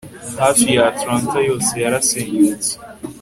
Hafi ya Atlanta yose yarasenyutse